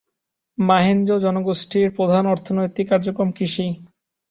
মাহেঞ্জ জনগোষ্ঠীর প্রধান অর্থনৈতিক কার্যক্রম কৃষি।